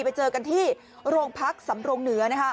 ไปเจอกันที่โรงพักสำรงเหนือนะคะ